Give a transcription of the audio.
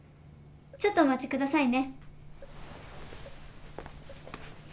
ちょっとお待ち下さいね。